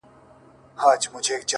نن شپه د ټول كور چوكيداره يمه ـ